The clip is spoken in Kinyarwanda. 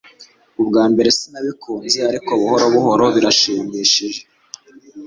Ubwa mbere sinabikunze ariko buhoro buhoro birashimishije